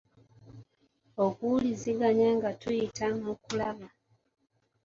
Okuwuliziganya nga tuyita mu kulaba.